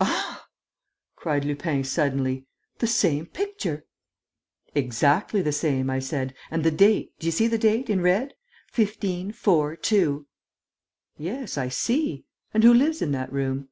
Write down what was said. "Ah!" cried Lupin, suddenly. "The same picture!" "Exactly the same!" I said. "And the date: do you see the date, in red? 15. 4. 2." "Yes, I see.... And who lives in that room?"